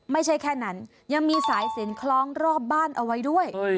ไม่ใช่แค่นั้นยังมีสายสินคล้องรอบบ้านเอาไว้ด้วย